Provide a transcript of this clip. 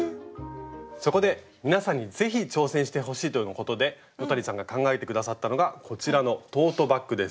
そこで皆さんに是非挑戦してほしいとのことで野谷さんが考えて下さったのがこちらのトートバッグです。